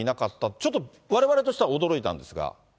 ちょっとわれわれとしたら、驚いたんですが。